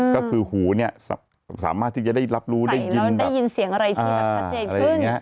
ก็คือหูสามารถที่จะได้รับรู้ได้ยินเสียงอะไรที่ชัดเจนขึ้น